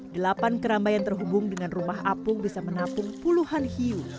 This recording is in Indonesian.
delapan keramba yang terhubung dengan rumah apung bisa menampung puluhan hiu